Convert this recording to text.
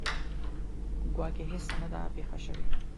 ګواکې هیڅ نه ده پېښه شوې.